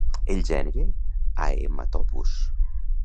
El gènere Haematopus.